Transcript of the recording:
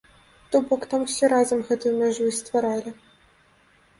То бок, там усе разам гэтую мяжу і стваралі.